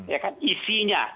ya kan isinya